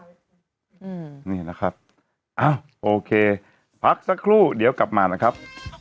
นี่แหละครับอ้าวโอเคพักสักครู่เดี๋ยวกลับมานะครับ